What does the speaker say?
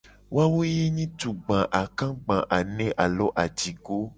Woa wo ye nyi tugba, akagba, ane alo ajigo.